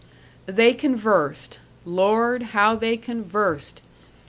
They conversed Lord! how they conversed!